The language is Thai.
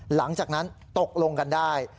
หลังจากนั้นตกลงกันได้